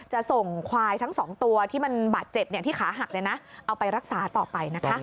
จะส่งควายทั้ง๒ตัวที่มันบาดเจ็บที่ขาหักเอาไปรักษาต่อไปนะคะ